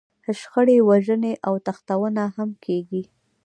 شخړې، وژنې او تښتونه هم کېږي.